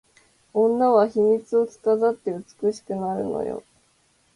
女は秘密を着飾って美しくなるのよ